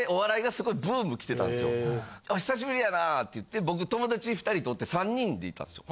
「久しぶりやな！」って言って僕友達２人とおって３人でいたんですよ。